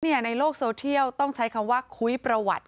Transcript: ในโลกโซเทียลต้องใช้คำว่าคุยประวัติ